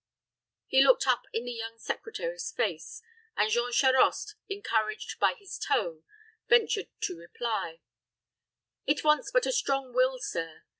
He looked up in the young secretary's face, and Jean Charost, encouraged by his tone, ventured to reply, "It wants but a strong will, sir.